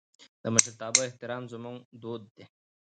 د مشرتابه احترام زموږ دود دی.